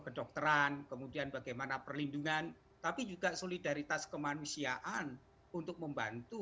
kedokteran kemudian bagaimana perlindungan tapi juga solidaritas kemanusiaan untuk membantu